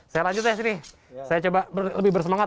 saya lanjut ya sini saya coba lebih bersemangat